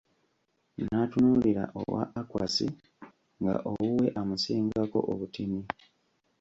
N'atunuulira owa Akwasi, nga owuwe amusinga ko obutini.